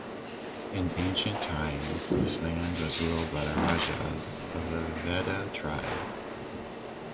In ancient times, this land was ruled by the Rajas of the Veda tribe.